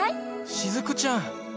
しずくちゃん！